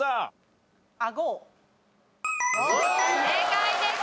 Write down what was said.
正解です。